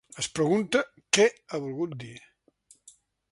Es pregunta què ha volgut dir.